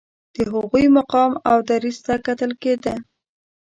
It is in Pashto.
د هغوی مقام او دریځ ته کتل کېده.